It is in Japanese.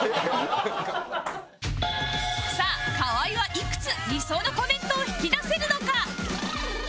さあ河井はいくつ理想のコメントを引き出せるのか？